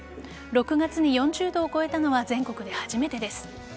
６月に４０度を超えたのは全国で初めてです。